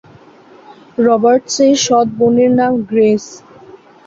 রবার্টসের সৎ বোনের নাম গ্রেস।